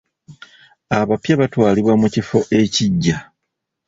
Abapya batwalibwa mu kifo ekiggya.